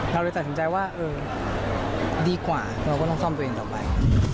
เราเลยตัดสินใจว่าเออดีกว่าเราก็ต้องซ่อมตัวเองต่อไป